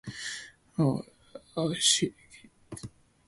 我家姐話唔係，但佢照鬧